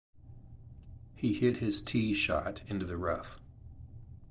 He hit his tee shot into the rough.